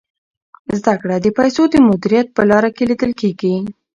زده کړه د پیسو د مدیریت په لاره کي لیدل کیږي.